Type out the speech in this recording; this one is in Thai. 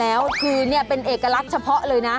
แล้วคือนี่เป็นเอกลักษณ์เฉพาะเลยนะ